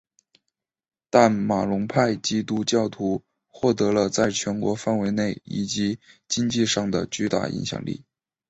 但马龙派基督教徒获得了在全国范围内以及经济上的巨大影响力。